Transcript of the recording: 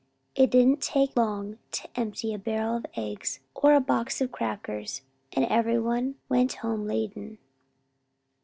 It didn't take long to empty a barrel of eggs or a box of crackers and everyone went home laden.